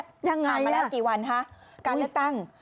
ถามมาแล้วกี่วันฮะการเลือกตั้ง